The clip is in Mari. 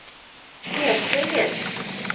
— Керте вет!